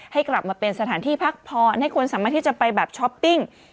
ให้กลับมาเป็นสถานที่พักผ่อนให้คนสามารถที่จะไปแบบช้อปปิ้ง